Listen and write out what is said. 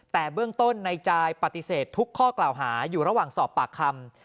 แต่เบื้องต้นในจายปฏิเสธทุกข้อกล่าวหาอยู่ระหว่างสอบปากคำ